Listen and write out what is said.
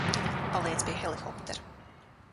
Paliec pie helikoptera.